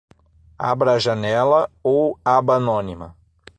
Abra a janela ou aba anônima